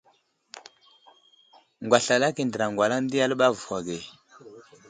Ŋgwaslalak i andəra gwalaŋ di aləɓay avohw age.